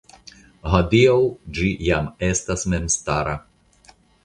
Hodiaŭ ĝi jam estas memstara.